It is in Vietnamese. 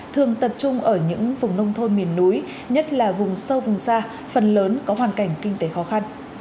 thường tập trung ở những vùng nông thôn miền núi nhất là vùng sâu vùng xa phần lớn có hoàn cảnh kinh tế khó khăn